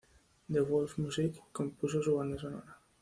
De Wolfe Music compuso su banda sonora.